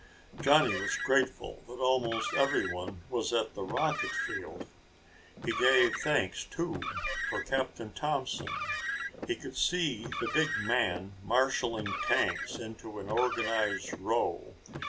Johnny was grateful that almost everyone was at the rocket field. He gave thanks, too, for Captain Thompson. He could see the big man marshaling tanks into an organized row.